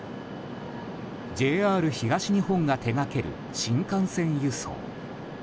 ＪＲ東日本が手掛ける新幹線輸送。